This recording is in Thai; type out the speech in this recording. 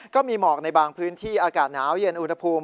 ก็มีหมอกในบางพื้นที่อากาศหนาวเย็นอุณหภูมิ